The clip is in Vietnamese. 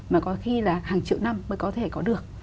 mà có khi là hàng triệu năm mới có thể có được